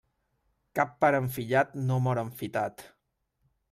Cap pare enfillat no mor enfitat.